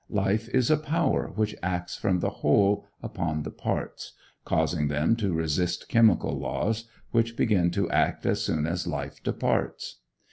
Life is a power which acts from the whole upon the parts, causing them to resist chemical laws, which begin to act as soon as life departs.